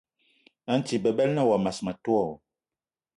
A nti bebela na wa mas ma tó?